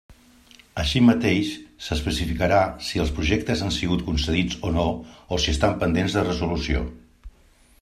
Així mateix, s'especificarà si els projectes han sigut concedits o no, o si estan pendents de resolució.